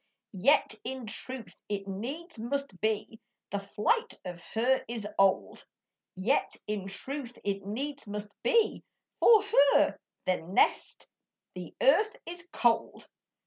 Yet in truth it needs must be The flight of her is old; Yet in truth it needs must be, For her nest, the earth, is cold.